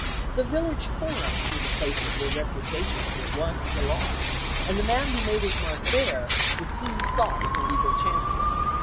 The village forums were the places where repu tations were won or lost, and the man who made his mark there was soon sought as a legal cham pion.